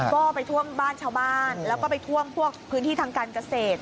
ก็ไปท่วมบ้านชาวบ้านแล้วก็ไปท่วมพวกพื้นที่ทางการเกษตร